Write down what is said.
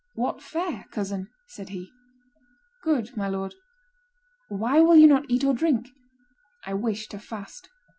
"What fare, cousin?" said he. "Good, my lord." "Why will you not eat or drink?" "I wish to fast."